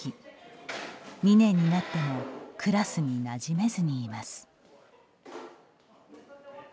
２年になってもクラスになじめずにいます。